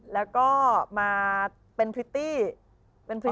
แล้วก็มาเป็นพริตตี้